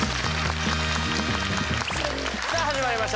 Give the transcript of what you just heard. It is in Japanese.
さあ始まりました